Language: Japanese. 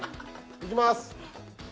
いきます